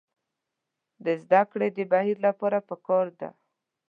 د زدکړې د دې بهیر لپاره پکار ده.